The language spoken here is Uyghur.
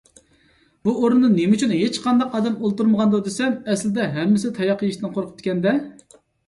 _ بۇ ئورۇندا نېمە ئۈچۈن ھېچقانداق ئادەم ئولتۇرمىغاندۇ دېسەم، ئەسلىدە ھەممىسى تاياق يېيىشتىن قورقۇپتىكەن - دە.